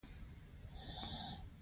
منځنۍ برخه د میدولا په نامه یادیږي.